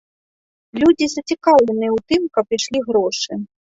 Людзі зацікаўленыя ў тым, каб ішлі грошы.